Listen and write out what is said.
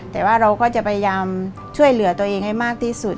แต่ว่าเราก็จะพยายามช่วยเหลือตัวเองให้มากที่สุด